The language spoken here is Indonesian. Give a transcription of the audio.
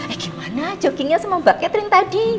eh gimana joggingnya sama mbak catherine tadi